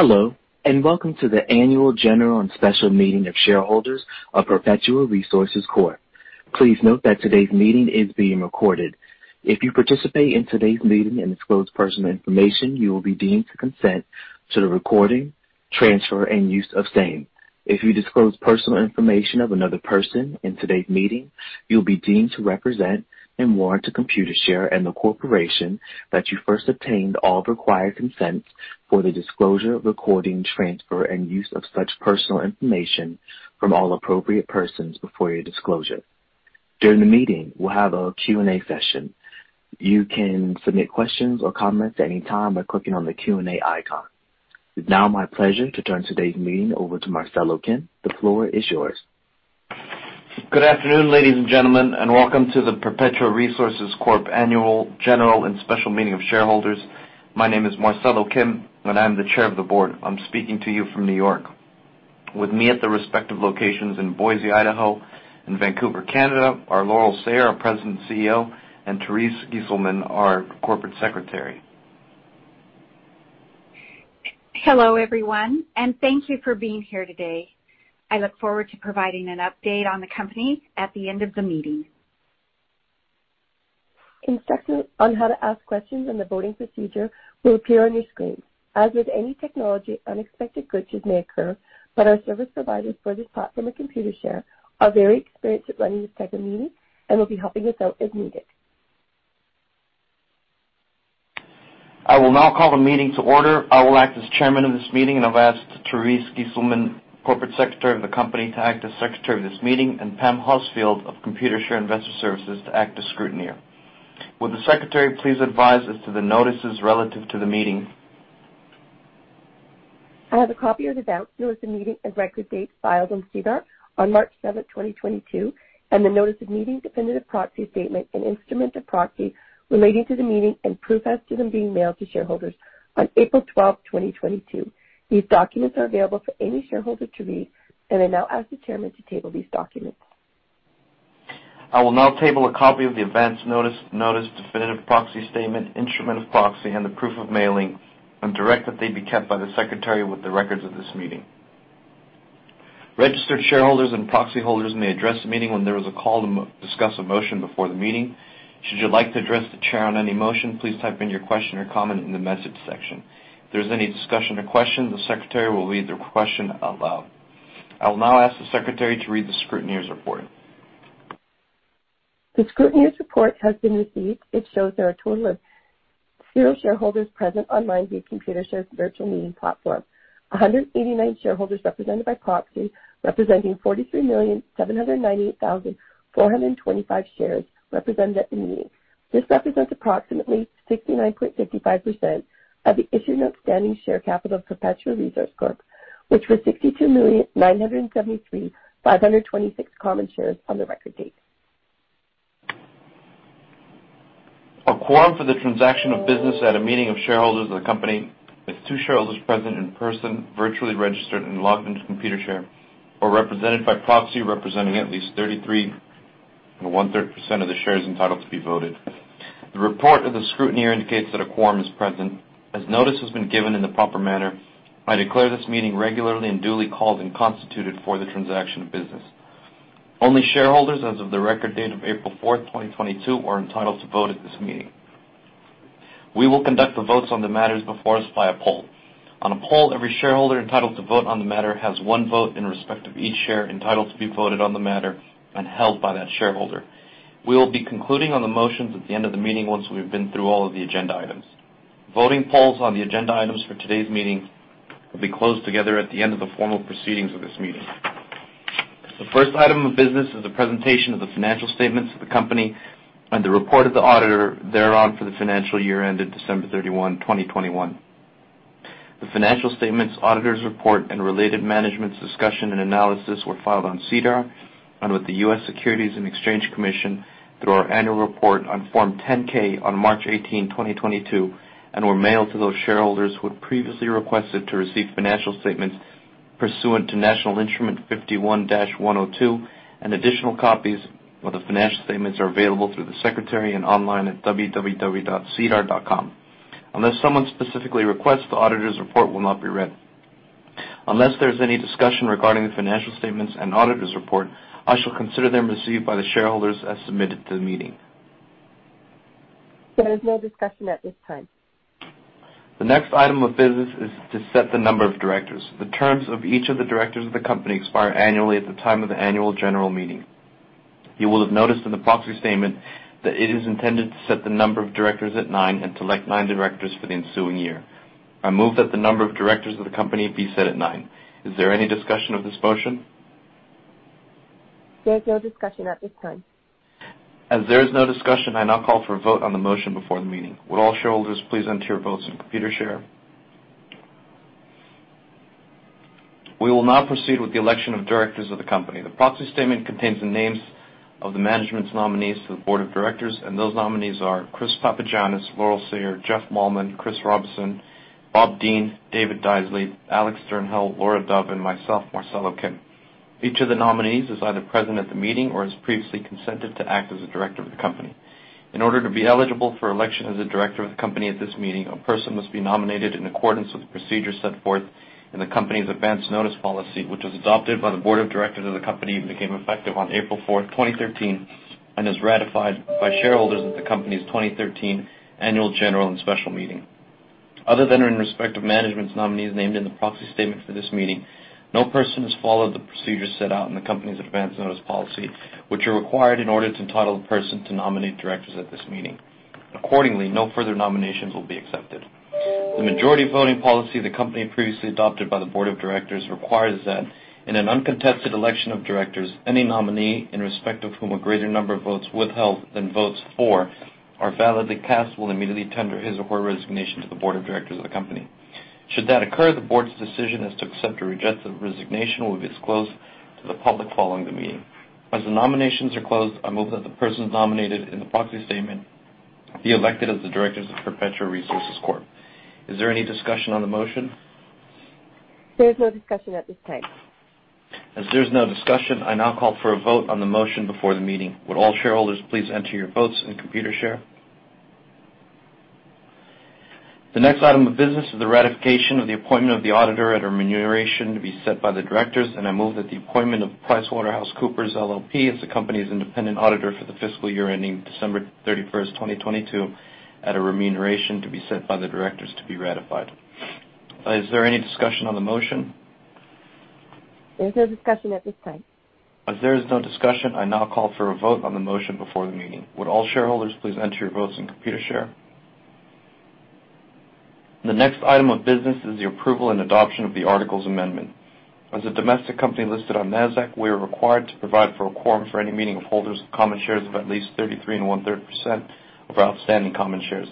Hello, and welcome to the Annual General and Special Meeting of Shareholders of Perpetua Resources Corp. Please note that today's meeting is being recorded. If you participate in today's meeting and disclose personal information, you will be deemed to consent to the recording, transfer, and use of same. If you disclose personal information of another person in today's meeting, you'll be deemed to represent and warrant to Computershare and the corporation that you first obtained all required consents for the disclosure, recording, transfer, and use of such personal information from all appropriate persons before your disclosure. During the meeting, we'll have a Q&A session. You can submit questions or comments any time by clicking on the Q&A icon. It's now my pleasure to turn today's meeting over to Marcelo Kim. The floor is yours. Good afternoon, ladies and gentlemen, and welcome to the Perpetua Resources Corp., Annual General and Special Meeting of Shareholders. My name is Marcelo Kim, and I'm the Chair of the Board. I'm speaking to you from New York. With me at the respective locations in Boise, Idaho and Vancouver, Canada are Laurel Sayer, our President and CEO, and Terese Giesselman, our Corporate Secretary. Hello, everyone, and thank you for being here today. I look forward to providing an update on the company at the end of the meeting. Instructions on how to ask questions and the voting procedure will appear on your screen. As with any technology, unexpected glitches may occur, but our service providers for this platform at Computershare are very experienced at running this type of meeting and will be helping us out as needed. I will now call the meeting to order. I will act as chairman of this meeting, and I've asked Terese Giesselman, Corporate Secretary of the company, to act as secretary of this meeting and Pam Hosfield of Computershare Investor Services to act as scrutineer. Will the secretary please advise as to the notices relative to the meeting? I have a copy of the advance notice of meeting and record date filed on SEDAR on March 7, 2022, and the notice of meeting definitive proxy statement and instrument of proxy relating to the meeting and proof as to them being mailed to shareholders on April 12, 2022. These documents are available for any shareholder to read. I now ask the chairman to table these documents. I will now table a copy of the advance notice definitive proxy statement, instrument of proxy, and the proof of mailing and direct that they be kept by the secretary with the records of this meeting. Registered shareholders and proxy holders may address the meeting when there is a call to discuss a motion before the meeting. Should you like to address the chair on any motion, please type in your question or comment in the message section. If there's any discussion or question, the secretary will read the question out loud. I will now ask the secretary to read the scrutineer's report. The scrutineer's report has been received. It shows there are a total of zero shareholders present online via Computershare's virtual meeting platform. 189 shareholders represented by proxy, representing 43,798,425 shares represented at the meeting. This represents approximately 69.55% of the issued and outstanding share capital of Perpetua Resources Corp., which was 62,973,526 common shares on the record date. A quorum for the transaction of business at a meeting of shareholders of the company with two shareholders present in person, virtually registered and logged into Computershare, or represented by proxy representing at least 33 1/3% of the shares entitled to be voted. The report of the scrutineer indicates that a quorum is present. As notice has been given in the proper manner, I declare this meeting regularly and duly called and constituted for the transaction of business. Only shareholders as of the record date of April 4th, 2022 are entitled to vote at this meeting. We will conduct the votes on the matters before us via poll. On a poll, every shareholder entitled to vote on the matter has one vote in respect of each share entitled to be voted on the matter and held by that shareholder. We will be concluding on the motions at the end of the meeting once we've been through all of the agenda items. Voting polls on the agenda items for today's meeting will be closed together at the end of the formal proceedings of this meeting. The first item of business is a presentation of the financial statements of the company and the report of the auditor thereon for the financial year ended December 31, 2021. The financial statements, auditor's report, and related management's discussion and analysis were filed on SEDAR and with the US Securities and Exchange Commission through our annual report on Form 10-K on March 18, 2022 and were mailed to those shareholders who had previously requested to receive financial statements pursuant to National Instrument 51-102. Additional copies of the financial statements are available through the secretary and online at www.sedar.com. Unless someone specifically requests, the auditor's report will not be read. Unless there's any discussion regarding the financial statements and auditor's report, I shall consider them received by the shareholders as submitted to the meeting. There is no discussion at this time. The next item of business is to set the number of directors. The terms of each of the directors of the company expire annually at the time of the annual general meeting. You will have noticed in the proxy statement that it is intended to set the number of directors at nine and to elect nine directors for the ensuing year. I move that the number of directors of the company be set at nine. Is there any discussion of this motion? There's no discussion at this time. As there is no discussion, I now call for a vote on the motion before the meeting. Would all shareholders please enter your votes in Computershare? We will now proceed with the election of directors of the company. The proxy statement contains the names of the management's nominees to the Board of Directors, and those nominees are Chris Papagianis, Laurel Sayer, Jeff Malmen, Chris Robison, Bob Dean, David Deisley, Alex Sternhell, Laura Dove, and myself, Marcelo Kim. Each of the nominees is either present at the meeting or has previously consented to act as a director of the company. In order to be eligible for election as a director of the company at this meeting, a person must be nominated in accordance with the procedures set forth in the company's advance notice policy, which was adopted by the Board of Directors of the company and became effective on April 4, 2013, and is ratified by shareholders at the company's 2013 annual general and special meeting. Other than in respect of management's nominees named in the proxy statement for this meeting, no person has followed the procedures set out in the company's advance notice policy, which are required in order to entitle the person to nominate directors at this meeting. Accordingly, no further nominations will be accepted. The majority voting policy the company previously adopted by the board of directors requires that in an uncontested election of directors, any nominee in respect of whom a greater number of votes withheld than votes for are validly cast will immediately tender his or her resignation to the board of directors of the company. Should that occur, the board's decision as to accept or reject the resignation will be disclosed to the public following the meeting. As the nominations are closed, I move that the persons nominated in the proxy statement be elected as the directors of Perpetua Resources Corp. Is there any discussion on the motion? There's no discussion at this time. As there's no discussion, I now call for a vote on the motion before the meeting. Would all shareholders please enter your votes in Computershare? The next item of business is the ratification of the appointment of the auditor at a remuneration to be set by the directors, and I move that the appointment of PricewaterhouseCoopers LLP, as the company's independent auditor for the fiscal year ending December 31st, 2022, at a remuneration to be set by the directors to be ratified. Is there any discussion on the motion? There's no discussion at this time. As there is no discussion, I now call for a vote on the motion before the meeting. Would all shareholders please enter your votes in Computershare? The next item of business is the approval and adoption of the articles amendment. As a domestic company listed on Nasdaq, we are required to provide for a quorum for any meeting of holders of common shares of at least 33 1/3% of our outstanding common shares.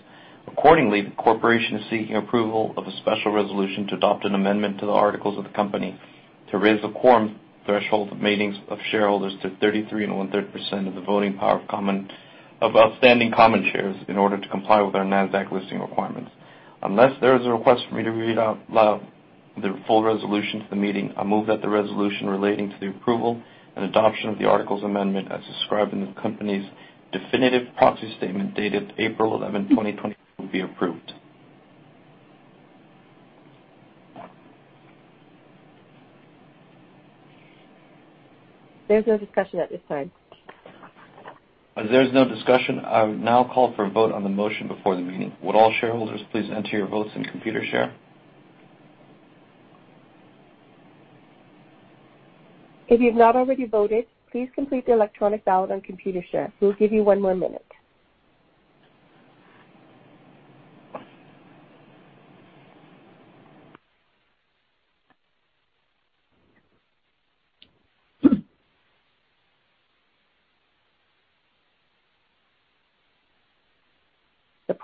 Accordingly, the corporation is seeking approval of a special resolution to adopt an amendment to the articles of the company to raise the quorum threshold of meetings of shareholders to 33 1/3% of the voting power of outstanding common shares in order to comply with our Nasdaq listing requirements. Unless there is a request for me to read out loud the full resolution to the meeting, I move that the resolution relating to the approval and adoption of the articles amendment as described in the company's definitive proxy statement dated April 11, 2022, be approved. There's no discussion at this time. As there's no discussion, I would now call for a vote on the motion before the meeting. Would all shareholders please enter your votes in Computershare? If you've not already voted, please complete the electronic ballot on Computershare. We'll give you one more minute.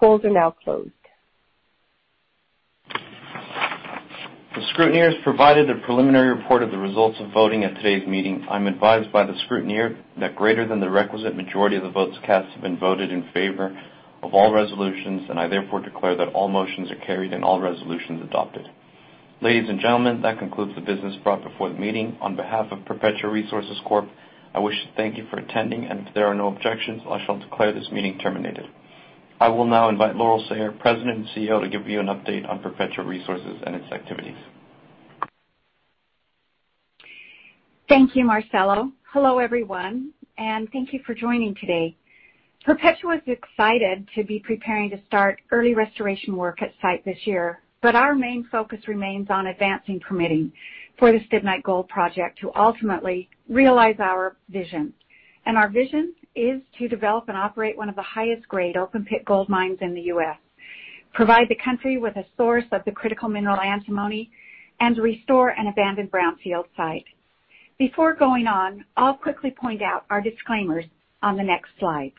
The polls are now closed. The scrutineer has provided a preliminary report of the results of voting at today's meeting. I'm advised by the scrutineer that greater than the requisite majority of the votes cast have been voted in favor of all resolutions, and I therefore declare that all motions are carried and all resolutions adopted. Ladies and gentlemen, that concludes the business brought before the meeting. On behalf of Perpetua Resources Corp., I wish to thank you for attending. If there are no objections, I shall declare this meeting terminated. I will now invite Laurel Sayer, President and CEO, to give you an update on Perpetua Resources and its activities. Thank you, Marcelo. Hello, everyone, and thank you for joining today. Perpetua is excited to be preparing to start early restoration work at site this year, but our main focus remains on advancing permitting for the Stibnite Gold Project to ultimately realize our vision. Our vision is to develop and operate one of the highest grade open pit gold mines in the U.S., provide the country with a source of the critical mineral antimony, and restore an abandoned brownfield site. Before going on, I'll quickly point out our disclaimers on the next slide.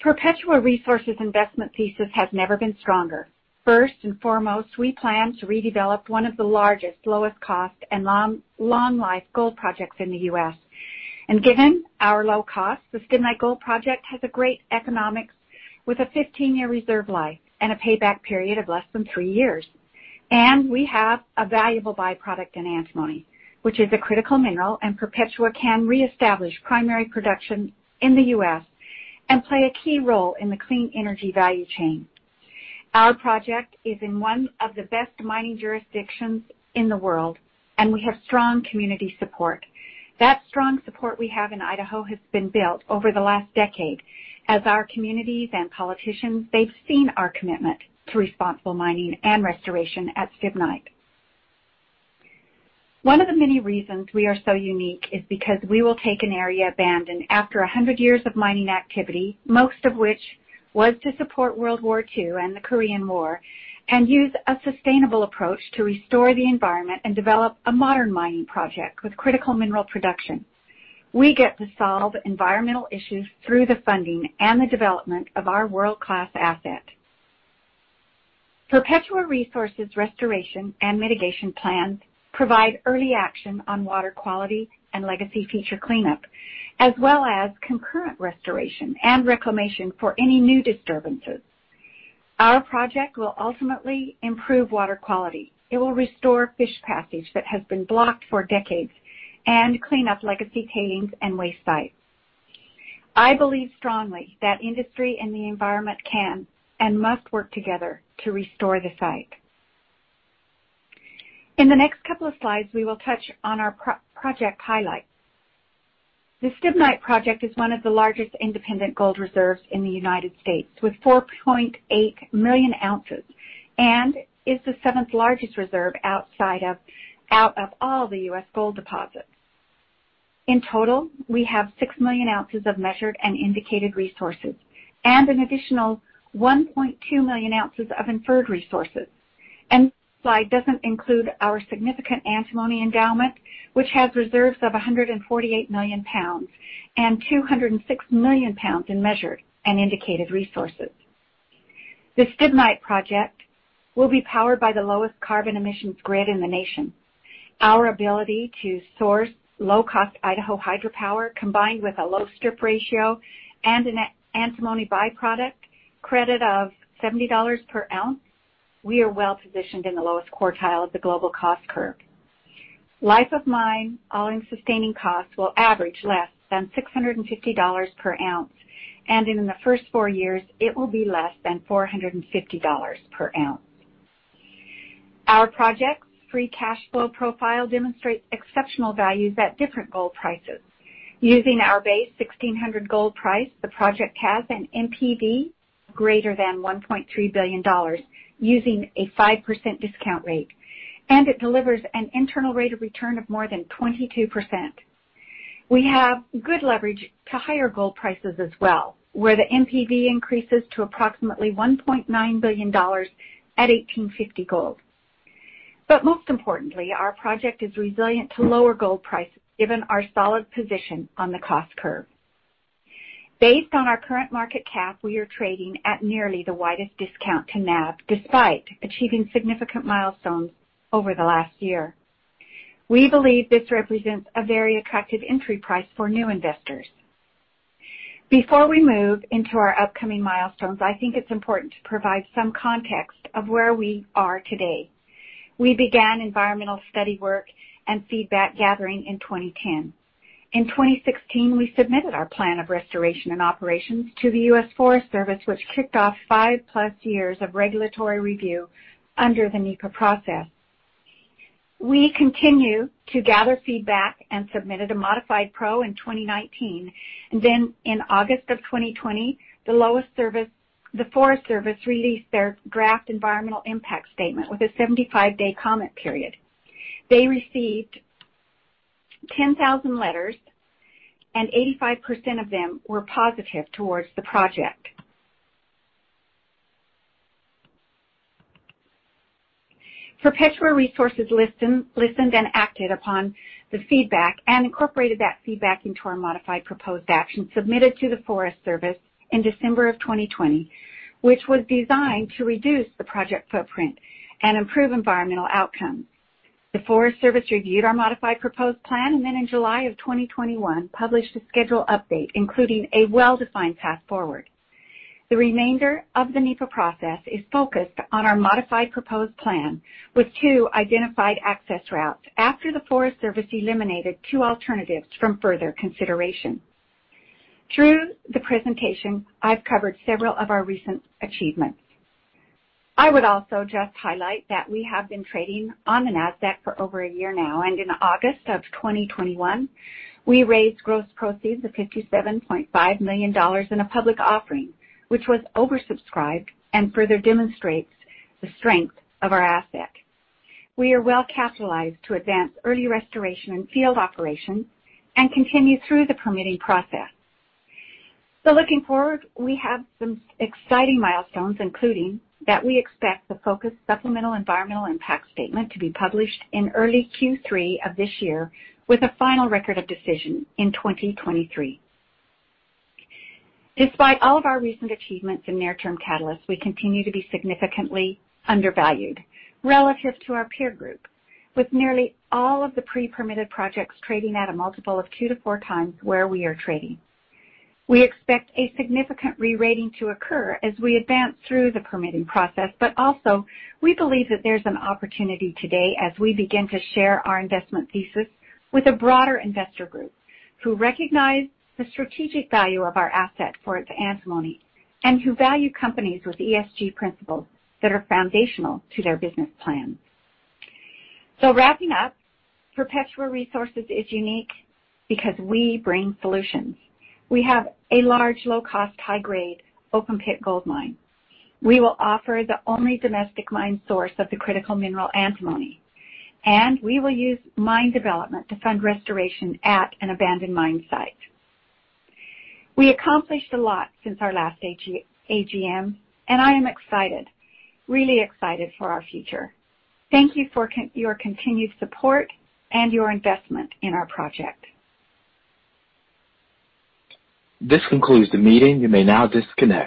Perpetua Resources' investment thesis has never been stronger. First and foremost, we plan to redevelop one of the largest, lowest cost, and long, long life gold projects in the U.S. Given our low cost, the Stibnite Gold Project has a great economics with a 15-year reserve life and a payback period of less than three years. We have a valuable byproduct in antimony, which is a critical mineral, and Perpetua can reestablish primary production in the U.S. and play a key role in the clean energy value chain. Our project is in one of the best mining jurisdictions in the world, and we have strong community support. That strong support we have in Idaho has been built over the last decade as our communities and politicians, they've seen our commitment to responsible mining and restoration at Stibnite. One of the many reasons we are so unique is because we will take an area abandoned after 100 years of mining activity, most of which was to support World War II and the Korean War, and use a sustainable approach to restore the environment and develop a modern mining project with critical mineral production. We get to solve environmental issues through the funding and the development of our world-class asset. Perpetua Resources' restoration and mitigation plans provide early action on water quality and legacy feature cleanup, as well as concurrent restoration and reclamation for any new disturbances. Our project will ultimately improve water quality. It will restore fish passage that has been blocked for decades and clean up legacy tailings and waste sites. I believe strongly that industry and the environment can and must work together to restore the site. In the next couple of slides, we will touch on our project highlights. The Stibnite project is one of the largest independent gold reserves in the United States, with 4.8 million ounces, and is the seventh largest reserve out of all the U.S. gold deposits. In total, we have 6 million ounces of measured and indicated resources and an additional 1.2 million ounces of inferred resources. This slide doesn't include our significant antimony endowment, which has reserves of 148 million and 206 lbs million in measured and indicated resources. The Stibnite project will be powered by the lowest carbon emissions grid in the nation. Our ability to source low-cost Idaho hydropower, combined with a low strip ratio and an antimony byproduct credit of $70 per ounce, we are well positioned in the lowest quartile of the global cost curve. Life of mine, all-in sustaining costs will average less than $650 per ounce, and in the first four years, it will be less than $450 per ounce. Our project's free cash flow profile demonstrates exceptional values at different gold prices. Using our base $1,600 gold price, the project has an NPV greater than $1.3 billion using a 5% discount rate, and it delivers an internal rate of return of more than 22%. We have good leverage to higher gold prices as well, where the NPV increases to approximately $1.9 billion at $1,850 gold. Most importantly, our project is resilient to lower gold prices given our solid position on the cost curve. Based on our current market cap, we are trading at nearly the widest discount to NAV, despite achieving significant milestones over the last year. We believe this represents a very attractive entry price for new investors. Before we move into our upcoming milestones, I think it's important to provide some context of where we are today. We began environmental study work and feedback gathering in 2010. In 2016, we submitted our plan of restoration and operations to the US Forest Service, which kicked off five plus years of regulatory review under the NEPA process. We continue to gather feedback and submitted a modified PRO in 2019. Then in August of 2020, the US Forest Service released their draft environmental impact statement with a 75-day comment period. They received 10,000 letters and 85% of them were positive towards the project. Perpetua Resources listened and acted upon the feedback and incorporated that feedback into our modified proposed action submitted to the Forest Service in December of 2020, which was designed to reduce the project footprint and improve environmental outcomes. The Forest Service reviewed our modified proposed plan and then in July of 2021 published a schedule update, including a well-defined path forward. The remainder of the NEPA process is focused on our modified proposed plan with two identified access routes after the Forest Service eliminated two alternatives from further consideration. Through the presentation, I've covered several of our recent achievements. I would also just highlight that we have been trading on the Nasdaq for over a year now, and in August 2021, we raised gross proceeds of $57.5 million in a public offering, which was oversubscribed and further demonstrates the strength of our asset. We are well capitalized to advance early restoration and field operations and continue through the permitting process. Looking forward, we have some exciting milestones, including that we expect the focused supplemental environmental impact statement to be published in early Q3 of this year with a final record of decision in 2023. Despite all of our recent achievements in near-term catalysts, we continue to be significantly undervalued relative to our peer group, with nearly all of the pre-permitted projects trading at a multiple of 2x-4x where we are trading. We expect a significant re-rating to occur as we advance through the permitting process, but also we believe that there's an opportunity today as we begin to share our investment thesis with a broader investor group who recognize the strategic value of our asset for its antimony and who value companies with ESG principles that are foundational to their business plans. Wrapping up, Perpetua Resources is unique because we bring solutions. We have a large, low-cost, high-grade open-pit gold mine. We will offer the only domestic mine source of the critical mineral antimony, and we will use mine development to fund restoration at an abandoned mine site. We accomplished a lot since our last AGM, and I am excited, really excited for our future. Thank you for your continued support and your investment in our project. This concludes the meeting. You may now disconnect.